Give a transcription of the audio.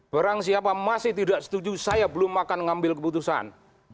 barang siapa masih tidak setuju saya belum akan mengambil keputusan